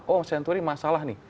oh senturi masalah nih